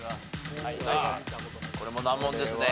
これも難問ですね。